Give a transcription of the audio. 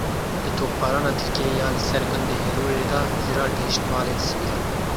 Di topbarana Tirkiyeyê ya li ser gundê Hirûrê de zirar gihîşt malên sivîlan.